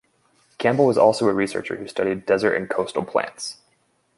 Campbell was also a researcher who studied desert and coastal plants.